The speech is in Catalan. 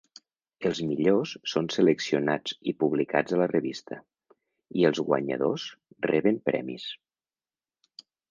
Els millors són seleccionats i publicats a la revista, i els guanyadors reben premis.